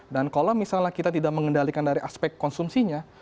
dan kalau misalnya kita tidak mengendalikan dari aspek konsumsinya